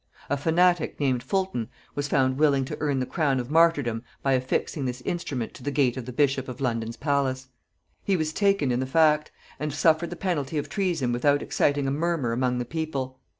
A fanatic named Fulton was found willing to earn the crown of martyrdom by affixing this instrument to the gate of the bishop of London's palace. He was taken in the fact, and suffered the penalty of treason without exciting a murmur among the people.